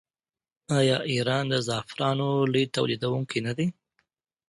آیا ایران د زعفرانو لوی تولیدونکی نه دی؟